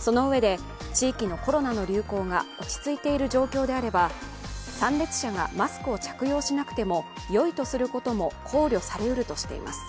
そのうえで地域のコロナの流行が落ち着いている状況であれば参列者がマスクを着用しなくてもよいとすることも考慮されうるとしています。